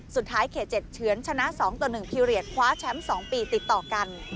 สุดท้ายเขต๗เฉือนชนะ๒๑พิวเรียสคว้าแชมป์๒ปีติดต่อกัน